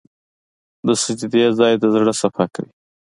د سجدې ځای د زړه صفا کوي.